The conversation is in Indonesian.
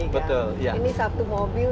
betul ini satu mobil